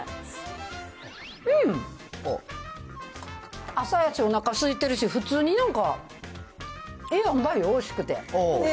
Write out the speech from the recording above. うん、朝やし、おなかすいてるし、普通になんか、ええあんばい、おいしくて。